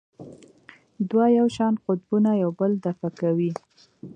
دوه یو شان قطبونه یو بل دفع کوي.